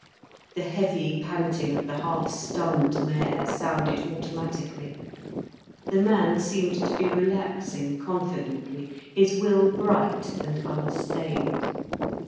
The heavy panting of the half stunned mare sounded automatically, the man seemed to be relaxing confidently, his will bright and unstained.